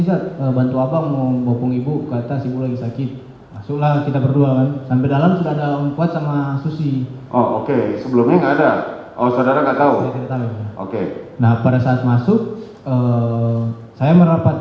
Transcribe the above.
sama susi oh oke sebelumnya gak ada oh saudara gak tahu saya tidak tahu oke nah pada saat masuk saya merapat